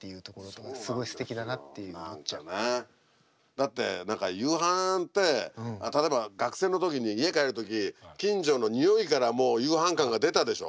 だって何か夕飯って例えば学生の時に家帰る時近所の匂いからもう夕飯感が出たでしょ。